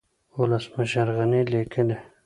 ولسمشر غني ليکلي